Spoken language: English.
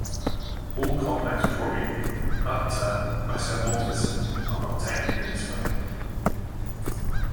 All complex tori, up to isomorphism, are obtained in this way.